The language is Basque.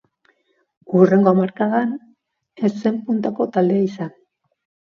Hurrengo hamarkadan ez zen puntako taldea izan.